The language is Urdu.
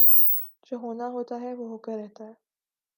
جو ہونا ہوتاہےوہ ہو کر رہتا ہے